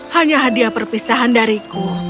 hanya hadiah perpisahan dariku